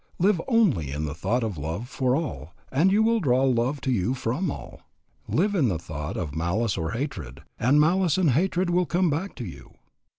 Live only in the thought of love for all and you will draw love to you from all. Live in the thought of malice or hatred, and malice and hatred will come back to you.